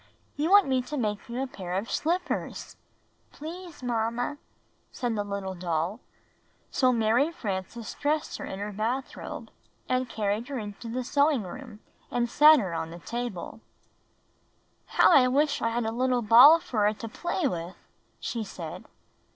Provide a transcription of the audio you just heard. "You want me to make you a pair of slippers!" "Please, Mamma," said the little doll. So Mary Frances dressed her in her bathrobe, and carried her into the sewing room and sat her on the table. les are Mary Marie Comes to Life 107 ''How I wish I had a little ball for her to play with/' she said.